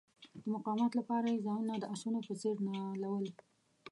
د مقاومت لپاره یې ځانونه د آسونو په څیر نالول.